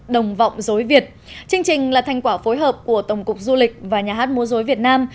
đồng vọng rối việt chương trình là thành quả phối hợp của tổng cục du lịch và nhà hát múa rối việt nam